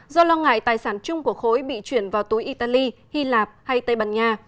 do lo ngại tài sản chung của khối bị chuyển vào túi italy hy lạp hay tây ban nha